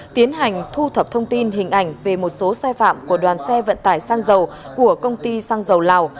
tiến hành thu thập thông tin hình ảnh về một số sai phạm của đoàn xe vận tải sang dầu của công ty xăng dầu lào